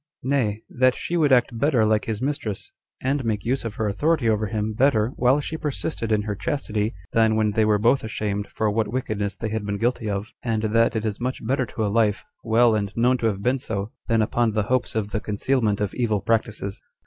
Nay, that she would act better like his mistress, and make use of her authority over him better while she persisted in her chastity, than when they were both ashamed for what wickedness they had been guilty of; and that it is much better to a life, well and known to have been so, than upon the hopes of the concealment of evil practices.